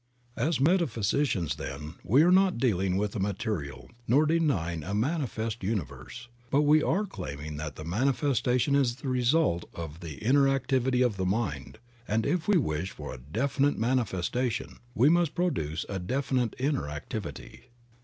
As metaphysicians, then, we are not dealing with a material, nor denying a manifest universe, but we are claiming that the manifestation is the result of the inner activity of the mind ; and if we wish for a definite manifestation, we must produce a definite inner activity.